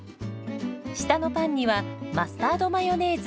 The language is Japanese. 下のパンにはマスタードマヨネーズ。